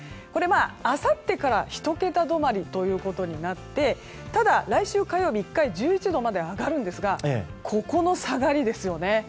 あさってから１桁止まりということになってただ、来週火曜日１回、１１度まで上がるんですがここの下がりですよね。